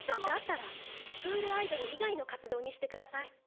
だったらスクールアイドル以外の活動にして下さい。